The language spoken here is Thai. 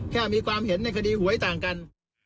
แค่มีความเห็นในคดีหวยต่างกัน